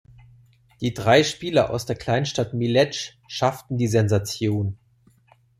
Die drei Spieler aus der Kleinstadt Mielec schafften die Sensation.